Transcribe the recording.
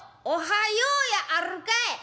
「おはようやあるかい。